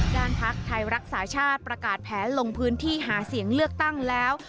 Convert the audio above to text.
ภักดิ์ไทยรักษาชาติประกาศแผนลงพื้นที่หาเสียงเลือกตั้งแล้ว